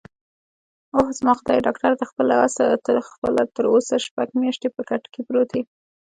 اووه، زما خدایه، ډاکټره ته خپله تراوسه شپږ میاشتې په کټ کې پروت یې؟